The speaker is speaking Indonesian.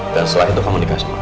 dan setelah itu kamu nikah sama aku